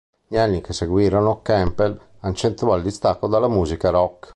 Negli anni che seguirono, Campbell accentuò il distacco dalla musica rock.